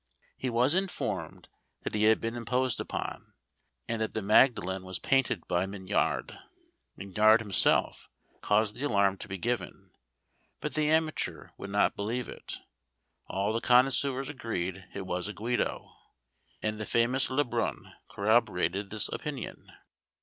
He was informed that he had been imposed upon, and that the Magdalen was painted by Mignard. Mignard himself caused the alarm to be given, but the amateur would not believe it; all the connoisseurs agreed it was a Guido, and the famous Le Brun corroborated this opinion.